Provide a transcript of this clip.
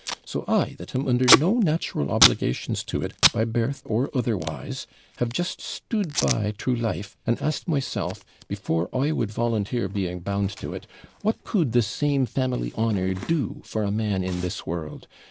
So I, that am under no natural obligations to it by birth or otherwise, have just stood by through life, and asked myself, before I would volunteer being bound to it, what could this same family honour do for a man in this world?